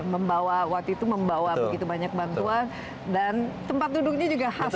membawa waktu itu membawa begitu banyak bantuan dan tempat duduknya juga khas